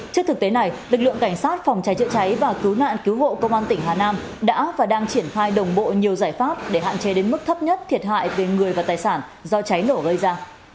trước thực tế này lực lượng cảnh sát phòng cháy chữa cháy và cứu nạn cứu hộ công an tỉnh hà nam đã và đang triển khai đồng bộ nhiều giải pháp để hạn chế đến mức thấp nhất thiệt hại về người và tài sản do cháy nổ gây ra